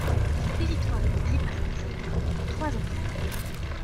Son territoire était réparti en trois enclaves.